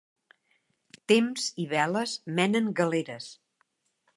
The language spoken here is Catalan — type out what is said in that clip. Temps i veles menen galeres.